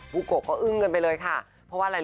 บุโกะก็อึ้งกันไปเลยค่ะ